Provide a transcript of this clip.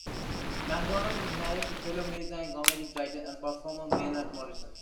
MacDonald is married to fellow Maritime comedic writer and performer Maynard Morrison.